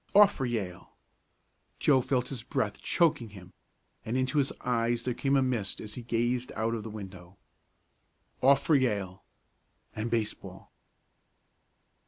Off for Yale. Joe felt his breath choking him, and into his eyes there came a mist as he gazed out of the window. Off for Yale and baseball!